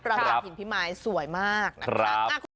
ปราสาทหินพี่ไม้สวยมากนะครับครับ